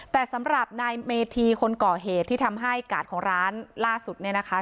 แต่สำหรับนายเมธีคนก่อเหตุที่ทำให้กาดของร้านล่าสุดเนี่ยนะคะ